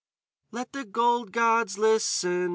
_ "_Let the gold gods listen!